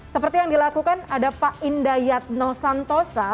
seperti yang dilakukan ada pak indayat nosantosa